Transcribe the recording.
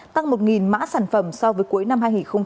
tăng một mã sản phẩm so với cuối năm hai nghìn một mươi tám